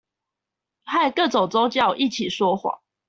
和各種宗教一起說謊